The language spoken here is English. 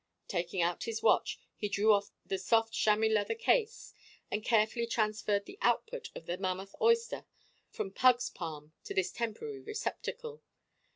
Taking out his watch, he drew off the soft chamois leather case, and carefully transferred the output of the mammoth oyster from Pugs palm to this temporary receptacle.